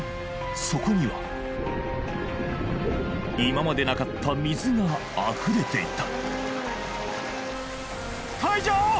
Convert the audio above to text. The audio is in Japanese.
そこには今までなかった水があふれていた